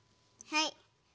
はい。